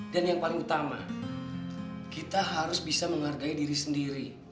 dan yang paling utama kita harus bisa menghargai diri sendiri